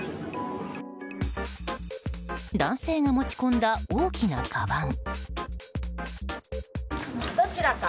男性が持ち込んだ大きなかばん。